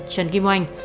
trần kim oanh